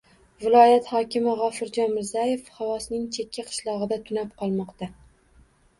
Viloyat hokimi G‘ofurjon Mirzayev Xovosning chekka qishlog‘ida tunab qolmoqda...